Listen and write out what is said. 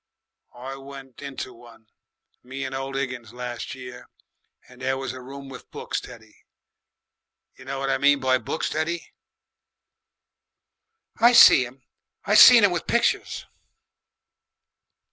I went into one me and old Higgins las' year and there was a room with books, Teddy you know what I mean by books, Teddy?" "I seen 'em. I seen 'em with pictures."